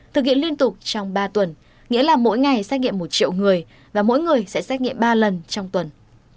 thực hiện liên tục trong ba tuần nghĩa là mỗi ngày xét nghiệm một triệu người và mỗi người sẽ xét nghiệm ba lần trong tuần